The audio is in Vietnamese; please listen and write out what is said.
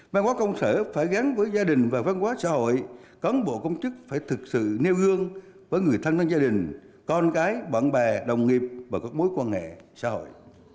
văn hóa công sở phải gắn với gia đình và văn hóa xã hội cán bộ công chức phải thực sự nêu gương với người thân gia đình con cái bạn bè đồng nghiệp và các mối quan hệ xã hội